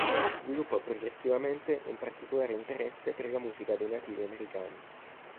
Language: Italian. Sviluppò progressivamente un particolare interesse per la musica dei nativi americani.